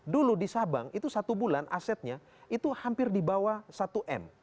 dulu di sabang itu satu bulan asetnya itu hampir di bawah satu m